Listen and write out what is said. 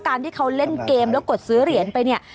การที่เขาเล่นเกมแล้วกดซื้อเหรียญไปเนี่ย